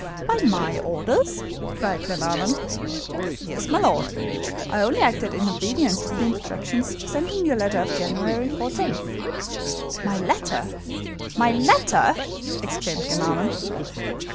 "By my orders?" cried Glenarvan. "Yes, my Lord. I only acted in obedience to the instructions sent in your letter of January fourteenth." "My letter! my letter!" exclaimed Glenarvan.